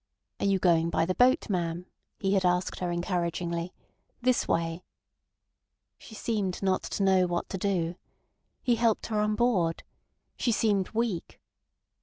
'Are you going by the boat, ma'am,' he had asked her encouragingly. 'This way.' She seemed not to know what to do. He helped her on board. She seemed weak."